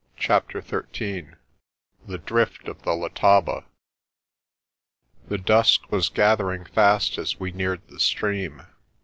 CHAPTER XIII THE DRIFT OF THE LETABA THE dusk was gathering fast as we neared the stream.